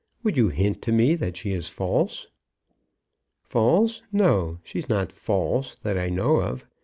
"Would you hint to me that she is false?" "False! No! she's not false that I know of.